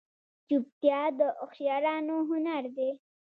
چوپتیا، د هوښیارانو هنر دی.